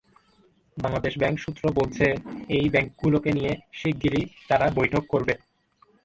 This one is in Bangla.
বাংলাদেশ ব্যাংক সূত্র বলছে, এই ব্যাংকগুলোকে নিয়ে শিগগিরই তারা বৈঠক করবে।